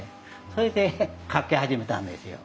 それで描き始めたんですよ。